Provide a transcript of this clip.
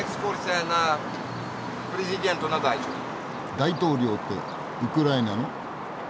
大統領ってウクライナの？